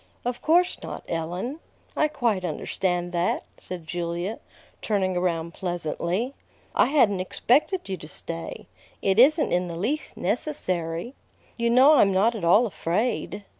"Of course not, Ellen. I quite understand that," said Julia, turning around pleasantly. "I hadn't expected you to stay. It isn't in the least necessary. You know I'm not at all afraid."